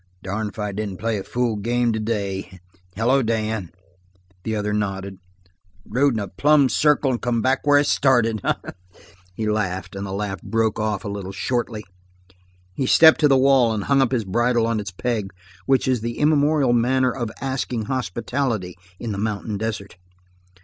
"Darned if I didn't play a fool game today hello, Dan." The other nodded. "Rode in a plumb circle and come back where I started." He laughed, and the laughter broke off a little shortly. He stepped to the wall and hung up his bridle on its peg, which is the immemorial manner of asking hospitality in the mountain desert.